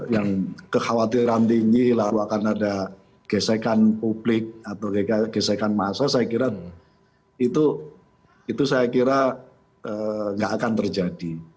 yang kekhawatiran tinggi lalu akan ada gesekan publik atau gesekan massa saya kira itu saya kira nggak akan terjadi